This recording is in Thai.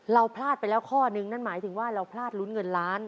พลาดไปแล้วข้อนึงนั่นหมายถึงว่าเราพลาดลุ้นเงินล้าน